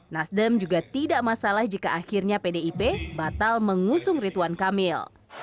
nasdem juga tidak masalah jika akhirnya pdip batal mengusung rituan kamil